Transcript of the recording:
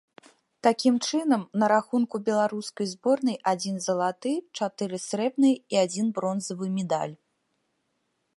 Такім чынам, на рахунку беларускай зборнай адзін залаты, чатыры срэбныя і адзін бронзавы медаль.